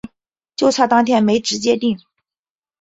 就差当天没直接订